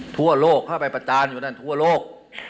ทั่วโลกเข้าไปประจานอยู่นั่นทั่วโลก